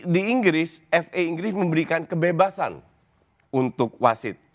di inggris fa inggris memberikan kebebasan untuk wasit